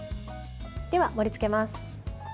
では、盛りつけます。